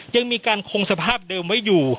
ยังมีการคงสภาพเดิมไว้อยู่